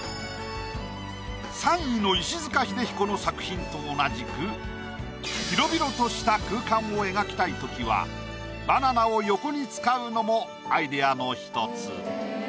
３位の石塚英彦の作品と同じく広々とした空間を描きたいときはバナナを横に使うのもアイディアの一つ。